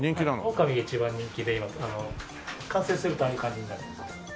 オオカミが一番人気で今完成するとああいう感じになります。